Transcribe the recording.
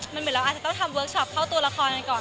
มันเหมือนเราอาจจะต้องทำเวิร์คชอปเข้าตัวละครกันก่อน